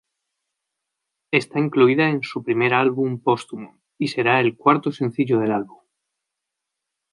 Está incluida en su primer álbum póstumo, y será el cuarto sencillo del álbum.